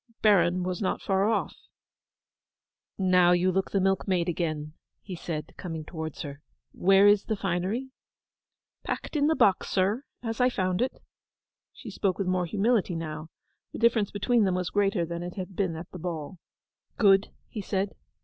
Baron was not far off. 'Now you look the milkmaid again,' he said, coming towards her. 'Where is the finery?' 'Packed in the box, sir, as I found it.' She spoke with more humility now. The difference between them was greater than it had been at the ball. 'Good,' he said.